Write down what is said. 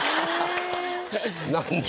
何？